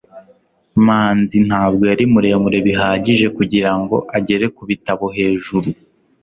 manzi ntabwo yari muremure bihagije kugirango agere kubitabo hejuru